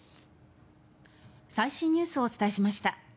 最新ニュースをお伝えしました。